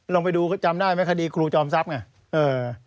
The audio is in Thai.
ลองไปดูจำได้ไหมคดีครูจอมทรัพย์ไง